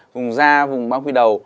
vùng da vùng ba quy đầu